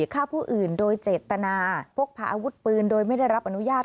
ฆ่าผู้อื่นโดยเจตนาพกพาอาวุธปืนโดยไม่ได้รับอนุญาต